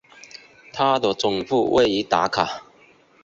它的总部位于达卡。